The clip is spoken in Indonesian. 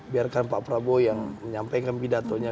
biarkan pak prabowo yang menyampaikan pidatonya